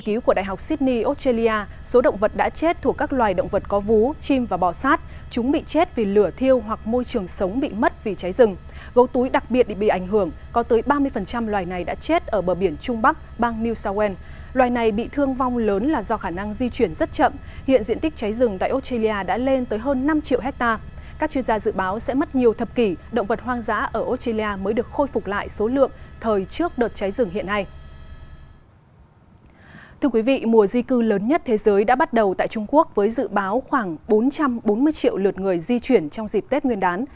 thưa quý vị mùa di cư lớn nhất thế giới đã bắt đầu tại trung quốc với dự báo khoảng bốn trăm bốn mươi triệu lượt người di chuyển trong dịp tết nguyên đán